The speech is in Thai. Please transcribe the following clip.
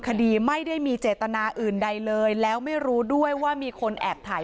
คดีไม่ได้มีเจตนาอื่นใดเลยแล้วไม่รู้ด้วยว่ามีคนแอบถ่าย